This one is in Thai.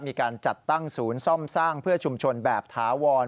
มีการจัดตั้งศูนย์ซ่อมสร้างเพื่อชุมชนแบบถาวร